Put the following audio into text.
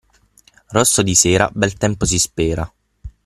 Rosso di sera bel tempo si spera.